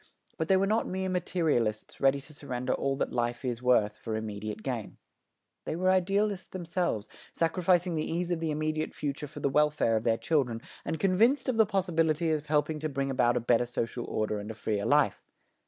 But they were not mere materialists ready to surrender all that life is worth for immediate gain. They were idealists themselves, sacrificing the ease of the immediate future for the welfare of their children, and convinced of the possibility of helping to bring about a better social order and a freer life.